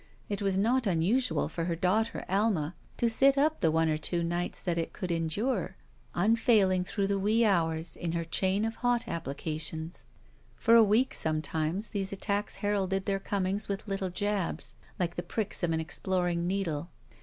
It was not unusual for her daughter Alma to sit up the one or two nights SHE WALKS IN BEAUTY that it could endure, unfailing through the wee hours in her chain of hot applications. For a week, sometimes, these attacks heralded their comings with little jabs, like the pricks of an exploring needle.